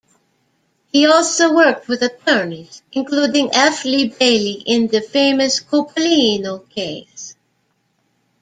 He also worked with attorneys, including F. Lee Bailey, in the famous Coppolino case.